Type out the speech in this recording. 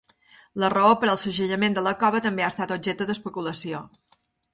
La raó per al segellament de la cova també ha estat objecte d'especulació.